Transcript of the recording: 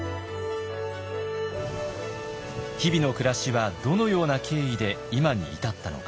日々の暮らしはどのような経緯で今に至ったのか。